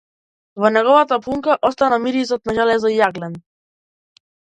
Во неговата плунка остана мирисот на железо и јаглен.